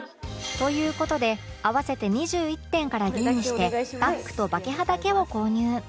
という事で合わせて２１点から吟味してバッグとバケハだけを購入